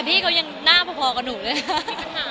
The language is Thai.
พี่เขายังหน้าพอกับหนูเลย